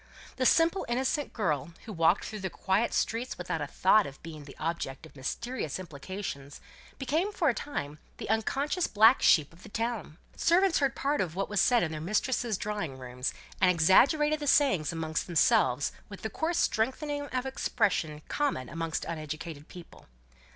The simple innocent girl, who walked through the quiet streets without a thought of being the object of mysterious implications, became for a time the unconscious black sheep of the town. Servants heard part of what was said in their mistresses' drawing rooms, and exaggerated the sayings amongst themselves with the coarse strengthening of expression common with uneducated people.